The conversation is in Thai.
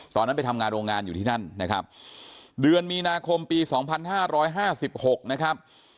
ตอนนั้นไปทำงานโรงงานอยู่ที่นั่นนะครับเดือนมีนาคมปี๒๕๕๖นะครับ